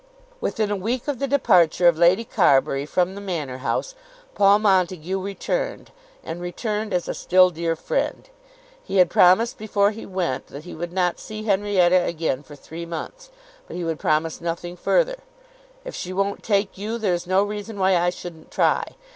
Within a week of the departure of Lady Carbury from the Manor House, Paul Montague returned, and returned as a still dear friend. He had promised before he went that he would not see Henrietta again for three months, but he would promise nothing further. "If she won't take you, there is no reason why I shouldn't try."